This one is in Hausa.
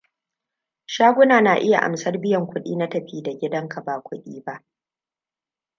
Shaguna na iya amsar biyan kuɗi na tafi da gidanka ba kuɗi ba.